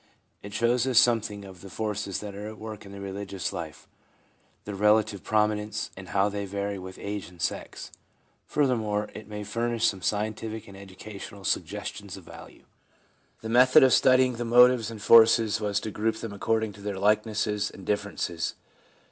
It shows us something of the forces that are at work in the religious life, their relative prominence, and how they vary with age and sex. Furthermore, it may furnish some scientific and educational suggestions of value. The method of studying the motives and forces was to group them according to their likenesses and differ ences.